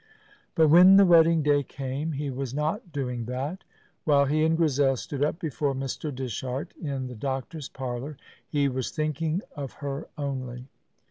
But when the wedding day came he was not doing that. While he and Grizel stood up before Mr. Dishart, in the doctor's parlour, he was thinking of her only.